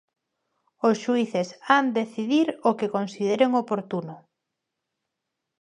"Os xuíces han decidir o que consideren oportuno".